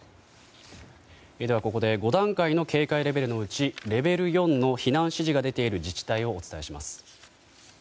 ここで５段階の警戒レベルのうちレベル４の避難指示が出ている自治体をお伝えします。